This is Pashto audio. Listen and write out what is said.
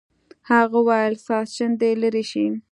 هغه وویل ساسچن دې لرې شي.